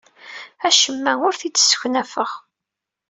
Acemma ur t-id-sseknafeɣ.